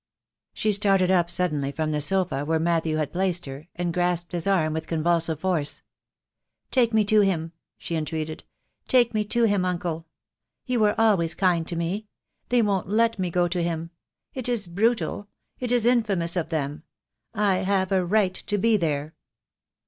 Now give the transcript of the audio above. She started up suddenly from the sofa where Mat thew had placed her, and grasped his arm with convul sive force. 0,2 THE DAY WILL COME. "Take me to him," she entreated, "take me to him, uncle. You were always kind to me. They won't let me go to him. It is brutal, it is infamous of them. I have a right to be there."